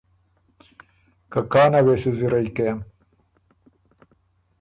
که کانه وې سُو زِرئ کېم